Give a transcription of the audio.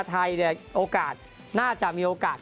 ไทยโอกาสน่าจะมีโอกาส